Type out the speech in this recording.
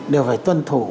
đều phải tuân thủ